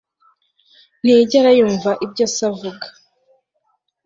ntiyigera yumva ibyo se avuga